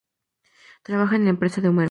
Trabaja en la empresa de Homero.